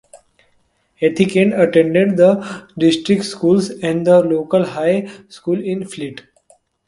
Aitken attended the district schools and the local high school in Flint.